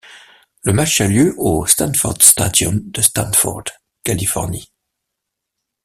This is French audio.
Le match a eu lieu le au Stanford Stadium de Stanford, Californie.